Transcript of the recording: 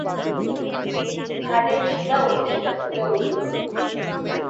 ঘাড়ের শিরা উপশিরা ফুলে উঠল।